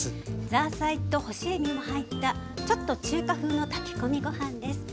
ザーサイと干しえびの入ったちょっと中華風の炊き込みご飯です。